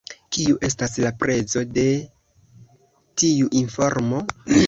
Kiu estas la prezo de tiu informo?